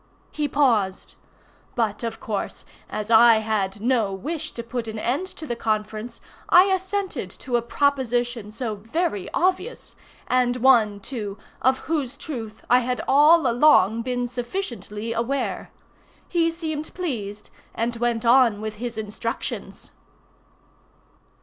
He paused. But, of course, as I had no wish to put an end to the conference, I assented to a proposition so very obvious, and one, too, of whose truth I had all along been sufficiently aware. He seemed pleased, and went on with his instructions.